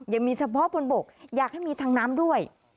ยังมีเฉพาะบนบกอยากให้มีทางน้ำด้วย